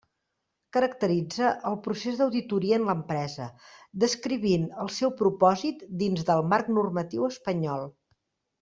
Caracteritza el procés d'auditoria en l'empresa, descrivint el seu propòsit dins del marc normatiu espanyol.